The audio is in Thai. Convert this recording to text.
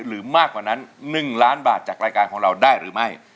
หรือมากกว่านั้น๑ล้านบาทจากรายการของเราได้หรือไม่